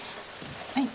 はい。